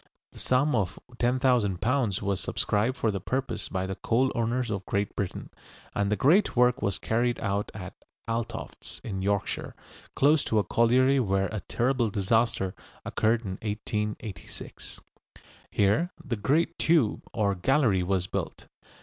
The sum of £10,000 was subscribed for the purpose by the coal owners of Great Britain, and the great work was carried out at Altofts, in Yorkshire, close to a colliery where a terrible disaster occurred in 1886. Here the great tube or gallery was built.